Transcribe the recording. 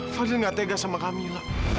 fadil nggak tegas sama kamila